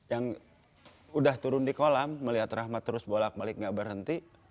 yang udah turun di kolam melihat rahmat terus bolak balik nggak berhenti